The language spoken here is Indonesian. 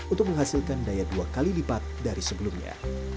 untuk menghasilkan daya dua kali lipat dari sebelumnya